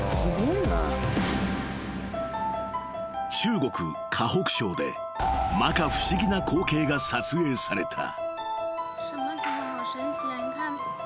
［中国河北省でまか不思議な光景が撮影された］